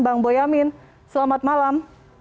bang boyamin selamat malam